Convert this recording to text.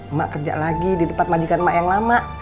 emak kerja lagi di tempat majikan emak yang lama